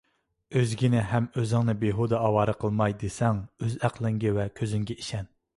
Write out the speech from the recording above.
ئۆزگىنى ھەم ئۆزۈڭنى بىھۇدە ئاۋارە قىلماي دېسەڭ، ئۆز ئەقلىڭگە ۋە كۆزۈڭگە ئىشەن.